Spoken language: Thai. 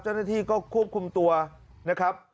เจ้าหน้าที่ก็ควบคุมตัวนะครับ